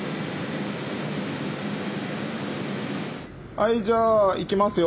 はいじゃあいきますよ。